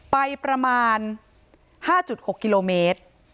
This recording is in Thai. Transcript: ประมาณ๕๖กิโลเมตร